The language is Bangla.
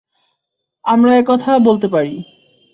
আমরা এ কথা বলতে পারি।